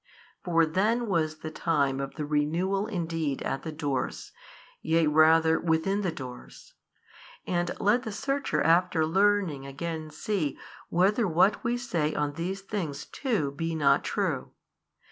For then was the time of the renewal indeed at the doors, yea rather within the doors. And let the searcher after learning again see whether what we say on these things too be not true.